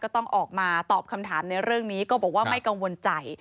ต้องออกมาตอบคำถามในเรื่องนี้ก็บอกว่าไม่กังวลใจ